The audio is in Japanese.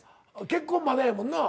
結婚まだやもんな？